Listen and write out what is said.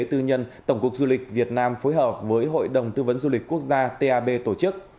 tư nhân tổng cục du lịch việt nam phối hợp với hội đồng tư vấn du lịch quốc gia tab tổ chức